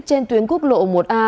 trên tuyến quốc lộ một a